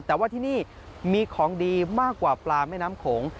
แต่ว่าที่นี่มีของดีมากกว่าปลาแม่น้ำโขง